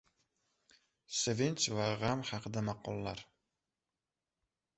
Sevinch va g‘am haqida maqollar.